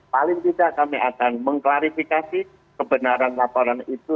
paling tidak kami akan mengklarifikasi kebenaran laporan itu